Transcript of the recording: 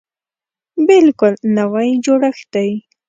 بلکل نوی جوړښت دی.